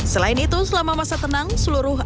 selain itu selama masa tenang seluruh